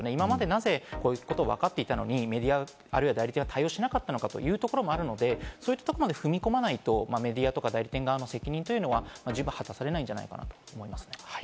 なぜこういうことがわかっていたのに、メディアは対応しなかったのかということもあるので、そういったところまで踏み込まないとメディアや代理店側の責任というのは果たされないんじゃないかなと思います。